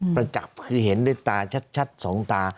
ประจักษ์คือเห็นด้วยตาชัดสองตา